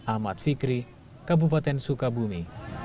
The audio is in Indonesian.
ahmad fikri kabupaten sukabumi